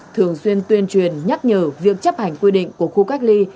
thường xuyên tuyên truyền nhắc nhở việc chấp hành quy định của khu cách ly